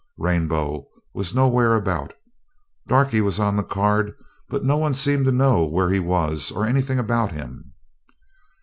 Rainbow was nowhere about. Darkie was on the card, but no one seemed to know where he was or anything about him.